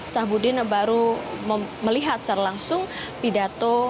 sahbudin baru melihat secara langsung pidato